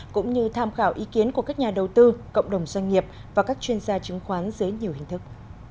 cũng như tham khảo ý kiến của các nhà đầu tư cộng đồng doanh nghiệp và các chuyên gia chứng khoán dưới nhiều hình thức